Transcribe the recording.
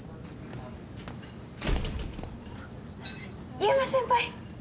優馬先輩！